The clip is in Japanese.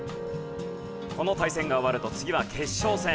この対戦が終わると次は決勝戦。